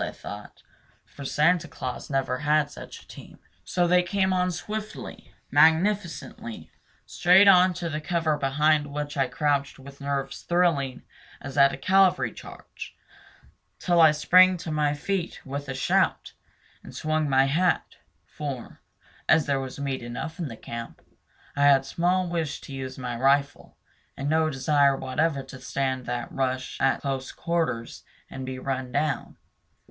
I thought; for Santa Claus never had such a team. So they came on swiftly, magnificently, straight on to the cover behind which I crouched with nerves thrilling as at a cavalry charge, till I sprang to my feet with a shout and swung my hat; for, as there was meat enough in camp, I had small wish to use my rifle, and no desire whatever to stand that rush at close quarters and be run down.